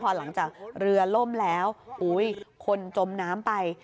พอหลังจากเรือล่มแล้วคนจมน้ำไป